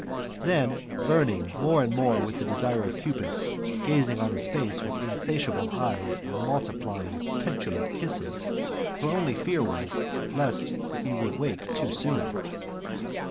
Then, burning more and more with the ut sire of Cupid, gazing on his face with insatiable eyes, and rnultiplyirg petulant kisses, her only fear was lest he should wake too soon.